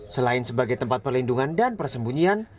selain sebagai tempat perlindungan dan persembunyian